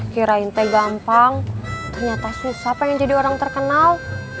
kirain teh gampang ternyata susah pengen jadi orang terkenal